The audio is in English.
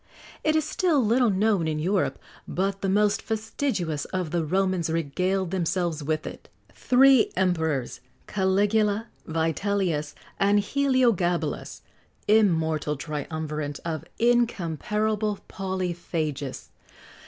[XX 67] It is still little known in Europe, but the most fastidious of the Romans regaled themselves with it.[XX 68] Three Emperors, Caligula, Vitellius, and Heliogabalus immortal triumvirate of incomparable polyphagists!